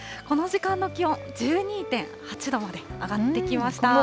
この時間の気温、１２．８度まで上がってきました。